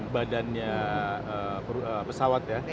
badan pesawat ya